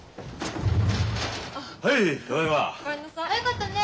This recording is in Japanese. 早かったね。